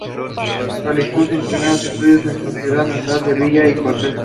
Realizó sus primeros estudios en su ciudad natal "La Villa y Corte".